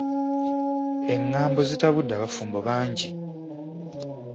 Engambo zitabudde abafumbo bangi.